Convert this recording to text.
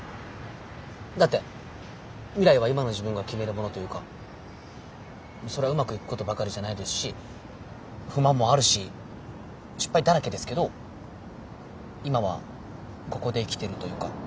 だって未来は今の自分が決めるものというかそりゃうまくいくことばかりじゃないですし不満もあるし失敗だらけですけど今はここで生きてるというか。